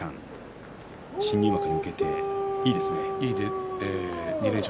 新入幕に向けていいですね２連勝。